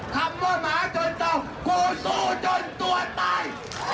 คำว่าหมาจนต้องกูสู้จนตัวตาย